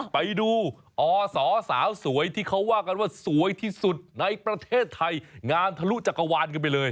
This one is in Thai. ไปดูอสสาวสวยที่เขาว่ากันว่าสวยที่สุดในประเทศไทยงานทะลุจักรวาลกันไปเลย